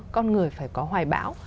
con người phải có hoài bão